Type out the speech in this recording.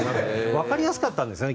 わかりやすかったんですね